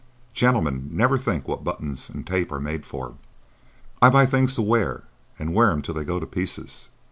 Gentlemen never think what buttons and tape are made for." "I buy things to wear, and wear 'em till they go to pieces.